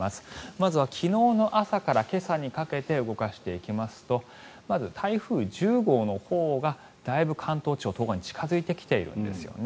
まずは昨日の朝から今朝にかけて動かしていきますとまず台風１０号のほうがだいぶ関東地方、東北に近付いてきているんですね。